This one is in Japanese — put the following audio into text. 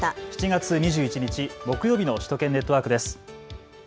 ７月２１日、木曜日の首都圏ネットワークです。